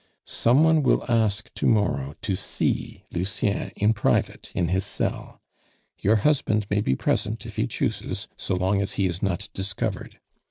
Some one will ask to morrow to see Lucien in private in his cell; your husband may be present if he chooses, so long as he is not discovered.